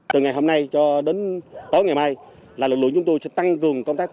từ ngày hôm nay cho đến tối ngày mai là lực lượng chúng tôi sẽ tăng cường công tác